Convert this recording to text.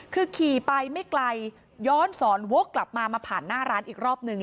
คือขี่ไปไม่ไกลย้อนสอนวกกลับมามาผ่านหน้าร้านอีกรอบนึง